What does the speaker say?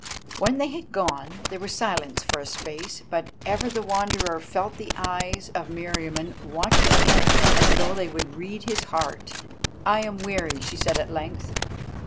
When they had gone there was silence for a space, but ever the Wanderer felt the eyes of Meriamun watching him as though they would read his heart. "I am weary," she said, at length.